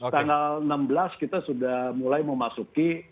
tanggal enam belas kita sudah mulai memasuki